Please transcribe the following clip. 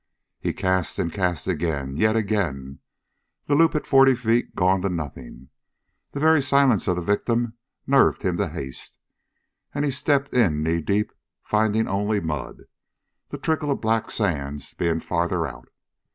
He cast, and cast again yet again, the loop at forty feet gone to nothing. The very silence of the victim nerved him to haste, and he stepped in knee deep, finding only mud, the trickle of black sands being farther out.